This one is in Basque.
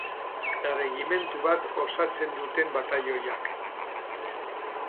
Erregimentu bat osatzen duten batailoiak.